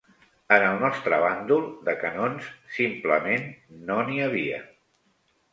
En el nostre bàndol, de canons, simplement, no n'hi havia.